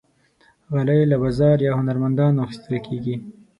غالۍ له بازار یا هنرمندانو اخیستل کېږي.